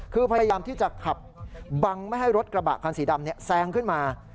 คือพยายามที่จะขับบังไม่ให้รถกระบะคันสีดำแซงขึ้นมา